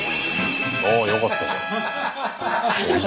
ああよかったじゃない。